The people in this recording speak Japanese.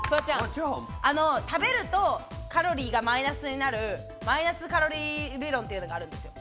食べるとカロリーがマイナスになる、マイナスカロリー理論というのがあるんですよ。